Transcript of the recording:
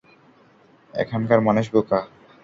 এখাকার মানুষ বোকা!